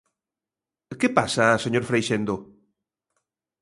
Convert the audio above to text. ¿Que pasa, señor Freixendo?